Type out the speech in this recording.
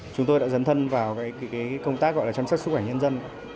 chúng tôi đã dấn thân vào công tác gọi là chăm sóc sức khỏe nhân dân